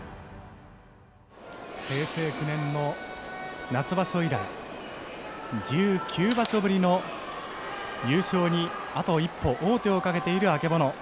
平成９年の夏場所以来１９場所ぶりの優勝にあと一歩王手をかけている曙。